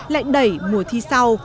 lại đẩy mùa thi sau